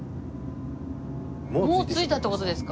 もう着いたって事ですか？